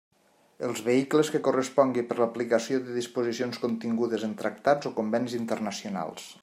Els vehicles que correspongui per l'aplicació de disposicions contingudes en tractats o convenis internacionals.